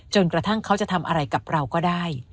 กระทั่งเขาจะทำอะไรกับเราก็ได้